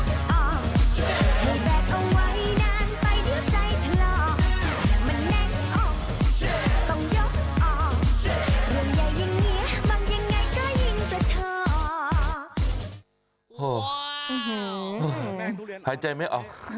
อื้อหือหายใจไม่ออก